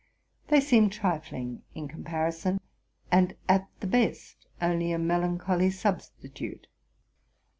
They seem trifling in comparison, and at the best only a melan choly substitute.